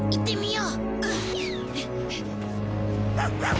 うん！